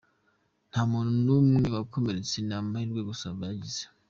Nta muntu numwe wakomeretse, ni amahirwe gusa bagize.